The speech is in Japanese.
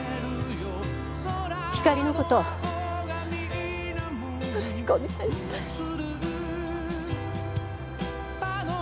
ひかりのことよろしくお願いします。